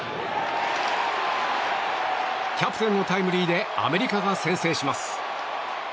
キャプテンのタイムリーでアメリカが先制します。